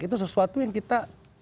itu sesuatu yang kita